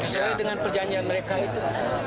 sesuai dengan perjanjian mereka itu